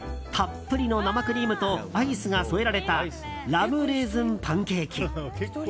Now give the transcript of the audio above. たっぷりの生クリームとアイスが添えられたラムレーズンパンケーキ。